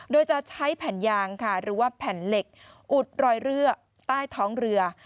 โดยจะใช้แผ่นยางค่ะหรือว่าแผ่นเหล็กอุดรอยเรือใต้ท้องเรือ